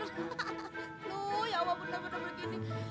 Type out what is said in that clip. hahaha tuh ya allah bener bener begini